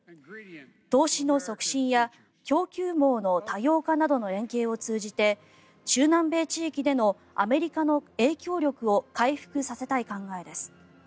投資の促進や供給網の多様化などの連携を通じて中南米地域でのアメリカの影響力を回復させたい考えです。